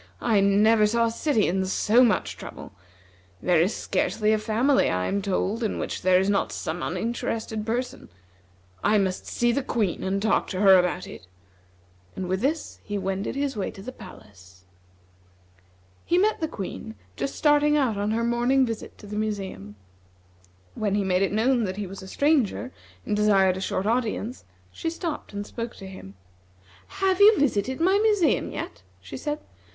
"I never saw a city in so much trouble. There is scarcely a family, I am told, in which there is not some uninterested person I must see the Queen and talk to her about it," and with this he wended his way to the palace. He met the Queen just starting out on her morning visit to the museum. When he made it known that he was a stranger, and desired a short audience, she stopped and spoke to him. "Have you visited my museum yet?" she said.